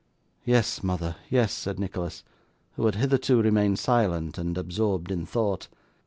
'Yes, mother, yes,' said Nicholas, who had hitherto remained silent and absorbed in thought.